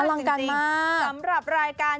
ลังการมากสำหรับรายการ